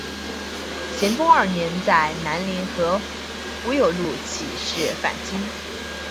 咸丰二年在南宁和胡有禄起事反清。